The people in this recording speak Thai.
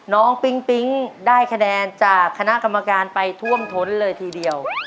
ปิ๊งปิ๊งได้คะแนนจากคณะกรรมการไปท่วมท้นเลยทีเดียว